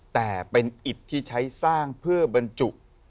แต่เป็นอิดที่ใช้สร้างเพื่อบรรจุ